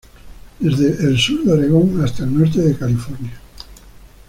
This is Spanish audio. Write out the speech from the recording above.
Desde el sur de Oregón hasta el norte de California.